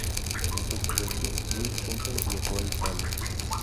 En su juventud, Luis Gunter viajó a Italia.